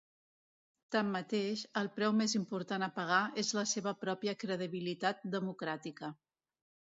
Tanmateix, el preu més important a pagar és la seva pròpia credibilitat democràtica.